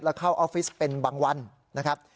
เข้าออฟฟิศเป็นบางวันนะครับ